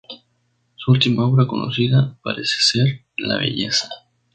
Su última obra conocida parece ser "La belleza.